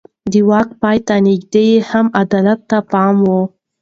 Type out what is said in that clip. د واک پای ته نږدې يې هم عدالت ته پام و.